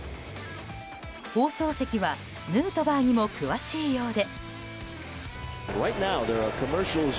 放送席はヌートバーにも詳しいようで。